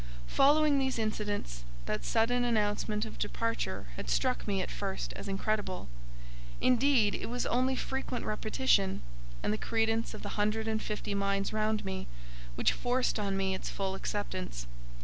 Following these incidents, that sudden announcement of departure had struck me at first as incredible. Indeed, it was only frequent repetition, and the credence of the hundred and fifty minds round me, which forced on me its full acceptance.